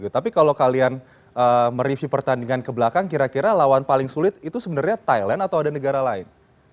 tapi kalau kalian mereview pertandingan ke belakang kira kira lawan paling sulit itu sebenarnya thailand atau ada negara lain